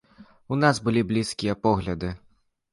У нас былі блізкія погляды.